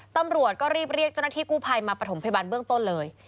ตำรวจก็รีบเรียกเจ้าหน้าที่กู้ภัยมาประถมพยาบาลเบื้องต้นเลย